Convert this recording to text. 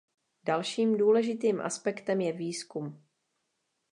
Dalším důležitým aspektem je výzkum.